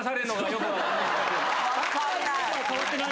分かんない。